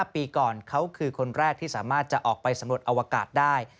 ปีก่อนเขาคือคนแรกที่สามารถจะออกไปสำรวจอวกาศได้